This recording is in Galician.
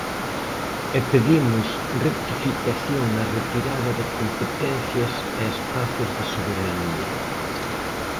E pedimos rectificación na retirada de competencias e espazos de soberanía.